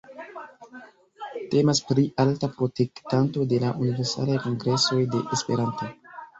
Temas pri alta protektanto de la Universalaj Kongresoj de Esperanto.